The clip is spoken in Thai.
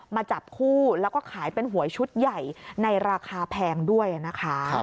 มาจับคู่แล้วก็ขายเป็นหวยชุดใหญ่ในราคาแพงด้วยนะคะ